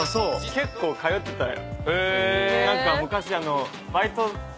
結構通ってたよ。